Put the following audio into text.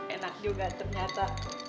enak juga ternyata